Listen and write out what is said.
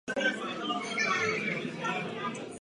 Tento jev se nazývá biblický symbolismus.